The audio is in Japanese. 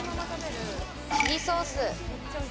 チリソース。